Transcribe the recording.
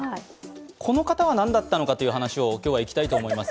この方は何だったのかという話を今日はいきたいと思います。